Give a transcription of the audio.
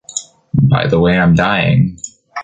By the way I’m dying.